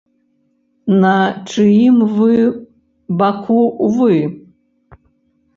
На чыім вы баку вы?